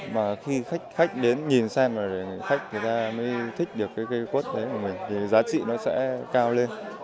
mà khi khách khách đến nhìn xem là khách người ta mới thích được cái cây quất đấy của mình thì giá trị nó sẽ cao lên